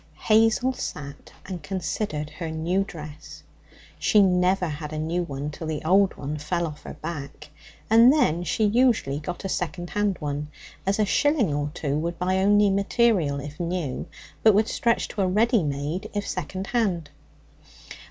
Hazel sat and considered her new dress. She never had a new one till the old one fell off her back, and then she usually got a second hand one, as a shilling or two would buy only material if new, but would stretch to a ready made if second hand.